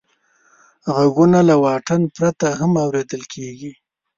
غږونه له واټن پرته هم اورېدل کېږي.